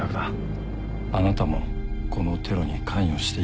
あなたもこのテロに関与していたんですね。